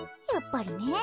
やっぱりね。